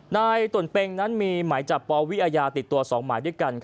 นายตนเป็งนั้นมีหมายจับปวิอาญาติดตัว๒หมายด้วยกัน